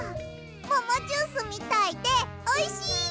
ももジュースみたいでおいしい！